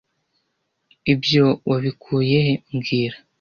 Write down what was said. Ibyo wabikuye he mbwira